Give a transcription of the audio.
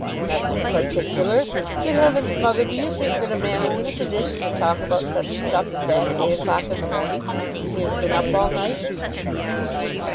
"Nothing particular. Good heavens, mother, do you think that a man is in a condition to talk about such stuff as that at eight o'clock in the morning, when he has been up all night?"